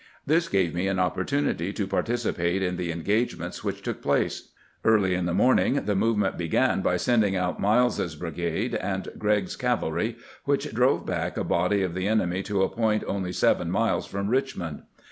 This gave me an opportunity to participate in the en gagements which took place. Early in the morning the movement began by sending out Miles's brigade and Gregg's cavalry, which drove back a body of the enemy to a point only seven miles from Richmond.